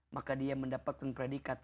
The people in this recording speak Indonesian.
maka dia mendapatkan predikat